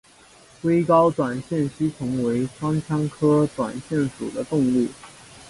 微睾短腺吸虫为双腔科短腺属的动物。